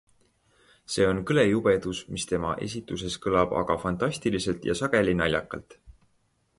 See on kõle jubedus, mis tema esituses kõlab aga fantastiliselt ja sageli naljakalt.